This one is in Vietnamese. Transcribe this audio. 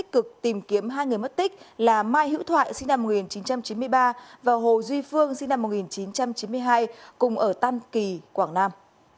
cực tìm kiếm hai người mất tích là mai hữu thoại sinh năm một nghìn chín trăm chín mươi ba và hồ duy phương sinh năm một nghìn chín trăm chín mươi hai cùng ở tam kỳ quảng nam